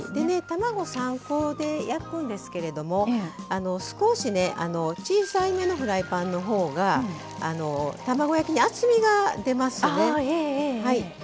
卵３個で焼くんですけれども少し小さいめのフライパンのほうが卵焼きに厚みが出ますね。